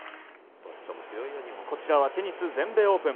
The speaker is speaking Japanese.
こちらはテニス全米オープン。